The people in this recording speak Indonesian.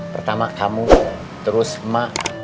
pertama kamu terus mak